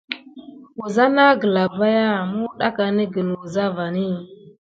Kisdà naŋ glabayà muwɗakanigən wuza vani.